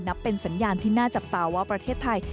เป็นสัญญาณที่น่าจับตาว่าประเทศไทย